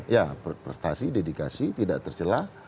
ya prestasi dedikasi tidak tercelah